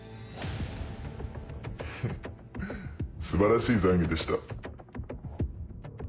フフ素晴らしい懺悔でした。